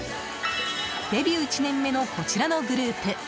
デビュー１年目のこちらのグループ。